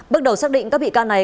bước đầu xác định các bị can này